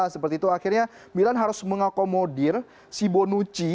seperti itu akhirnya milan harus mengakomodir si bonucci